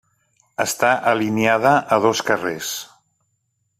Està alineada a dos carrers.